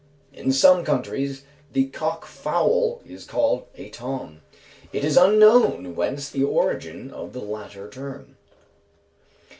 In some counties the cock fowl is called a "Tom." It is unknown whence the origin of the latter term.